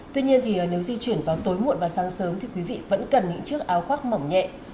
tuy nhiên thì nếu di chuyển vào tối muộn và sáng sớm thì quý vị vẫn cần những chiếc áo khoác mỏng nhẹ